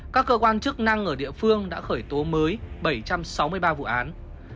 các cơ quan chức năng ở địa phương đã khởi tố mới bảy trăm sáu mươi ba vụ án